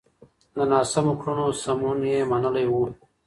د ناسمو کړنو سمون يې منلی و.